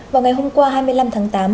vào ngày hôm qua hai mươi năm tháng tám